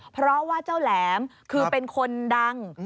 เพราะว่าเจ้าแหลมคือเป็นคนดัง